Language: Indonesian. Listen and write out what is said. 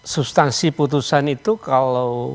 substansi putusan itu kalau